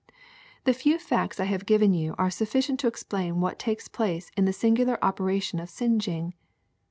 *' The, few facts I have given you are sufficient to explain what takes place in the singular operation of singeing.